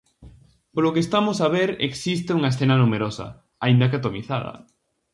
Polo que estamos a ver existe unha escena numerosa, aínda que atomizada.